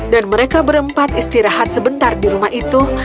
dan mereka berempat istirahat sebentar di rumah itu